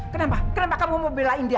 kenapa kenapa kamu mau belain dia